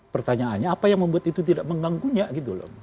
pertanyaannya apa yang membuat itu tidak mengganggunya gitu loh